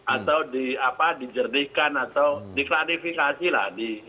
atau di apa dijerdihkan atau diklarifikasi lah di ini